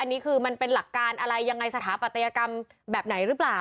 อันนี้คือมันเป็นหลักการอะไรยังไงสถาปัตยกรรมแบบไหนหรือเปล่า